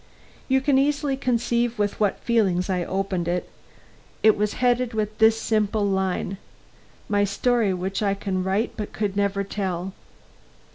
You can easily conceive with what feelings I opened it. It was headed with this simple line: MY STORY WHICH I CAN WRITE BUT COULD NEVER TELL.